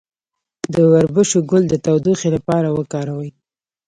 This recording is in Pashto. د وربشو ګل د تودوخې لپاره وکاروئ